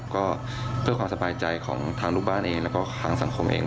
ก็เพื่อความสบายใจของทางลูกบ้านเองแล้วก็ทางสังคมเอง